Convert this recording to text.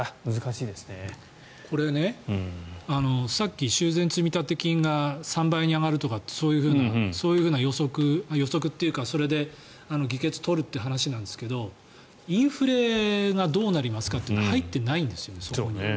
さっき修繕積立金が３倍に上がるとかってそういう予測というかそれで議決を取るという話なんですがインフレがどうなりますかというのが入ってないんですよ。